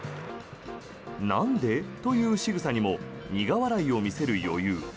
なんで？というしぐさにも苦笑いを見せる余裕。